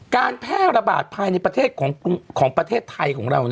การแพร่ระบาดภายในประเทศของประเทศไทยของเรา